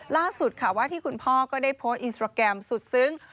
ล่าสุดค่ะว่าที่คุณพ่อก็ได้โพสต์อินสตราแกรมสุดซึ้ง